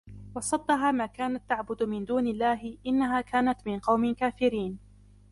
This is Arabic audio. وصدها ما كانت تعبد من دون الله إنها كانت من قوم كافرين